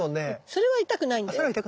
それは痛くないんだ。